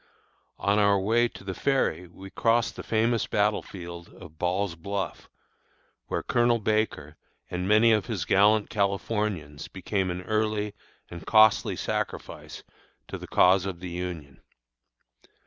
On our way to the ferry we crossed the famous battle field of Ball's Bluff, where Colonel Baker and many of his gallant Californians became an early and costly sacrifice to the cause of the Union.